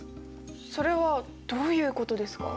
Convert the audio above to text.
それはどういうことですか？